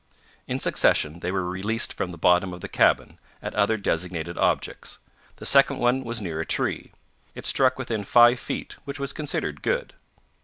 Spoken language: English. In succession they were released from the bottom of the cabin, at other designated objects. The second one was near a tree. It struck within five feet, which was considered good.